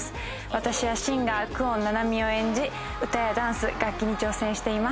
私はシンガー久遠七海を演じ歌やダンス楽器に挑戦しています。